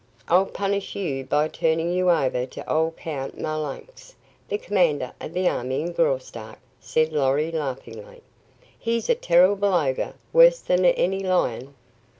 "I'll punish you by turning you over to old Count Marlanx, the commander of the army in Graustark," said Lorry, laughingly. "He's a terrible ogre, worse than any lion."